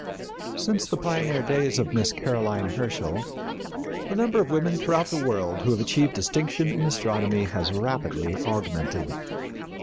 Since the pioneer days of Miss Caroline Herschel, the number of women throughout the world who have achieved distinction in astronomy has rapidly augmented.